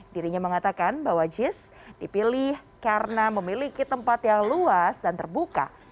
dirinya mengatakan bahwa jis dipilih karena memiliki tempat yang luas dan terbuka